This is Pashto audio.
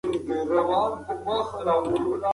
پښتو د ښونځي د پروژو ملاتړ د کلتور د پراختیا لپاره ده.